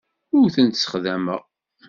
Ur tent-ssexdameɣ.